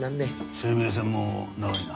生命線も長いな。